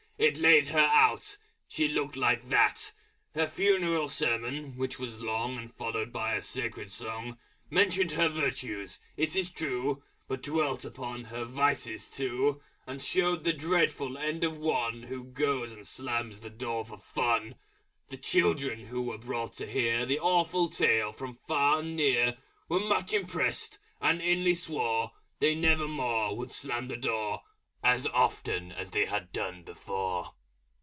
It laid her out! She looked like that. Her funeral Sermon (which was long And followed by a Sacred Song) Mentioned her Virtues, it is true, But dwelt upon her Vices too, And showed the Dreadful End of One Who goes and slams the door for Fun. The children who were brought to hear The awful Tale from far and near Were much impressed, and inly swore They never more would slam the Door. As often they had done before.